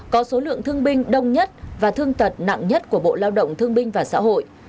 có số lượng thương binh đông nhất và thương tật nặng nhất của bộ lao động thương binh và xã hội